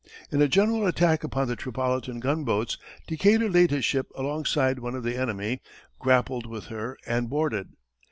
In a general attack upon the Tripolitan gunboats, Decatur laid his ship alongside one of the enemy, grappled with her and boarded.